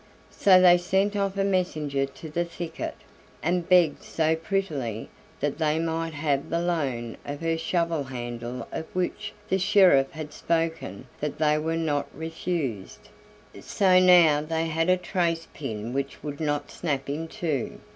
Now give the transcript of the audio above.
So they sent off a messenger to the thicket, and begged so prettily that they might have the loan of her shovel handle of which the sheriff had spoken that they were not refused; so now they had a trace pin which would not snap in two.